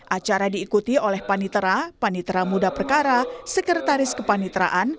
acara diikuti oleh panitera panitera muda perkara sekretaris kepanitraan